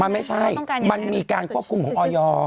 มันไม่ใช่มันมีการกรุงของออยอร์